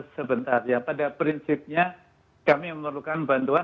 sebentar ya pada prinsipnya kami memerlukan bantuan